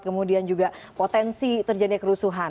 kemudian juga potensi terjadinya kerusuhan